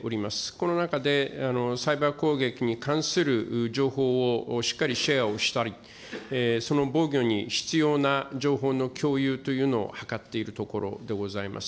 この中でサイバー攻撃に関する情報をしっかりシェアをしたり、その防御に必要な情報の共有というのを図っているところでございます。